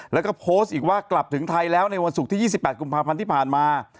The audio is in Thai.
แล้วก็โพสต์อีกว่ากลับถึงไทยแล้วในวันศุกร์ที่๒๘กุมภาพันธ์ที่ผ่านมา